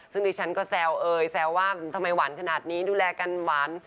ซึ่งดิฉันก็แซวเอยแซวว่าทำไมหวานขนาดนี้ดูแลกันหวาน